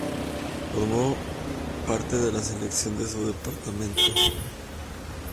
Formó parte de la selección de su departamento.